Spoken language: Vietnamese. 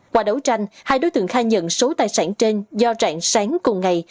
qua đấu tranh hai đối tượng khai nhận số tài sản trên do rạng sáng cùng ngày